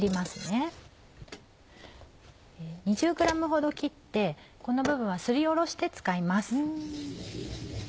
２０ｇほど切ってこの部分はすりおろして使います。